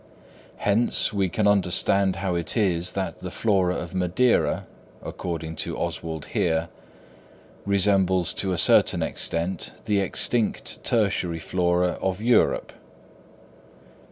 Hence, we can understand how it is that the flora of Madeira, according to Oswald Heer, resembles to a certain extent the extinct tertiary flora of Europe.